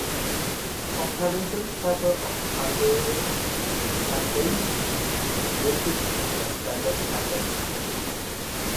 Comparison table of Sundanese Brebes and Standard Sundanese